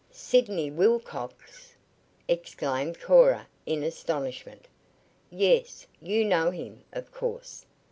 "Sidney Wilcox!" exclaimed Cora in astonishment. "Yes. You know him, of course.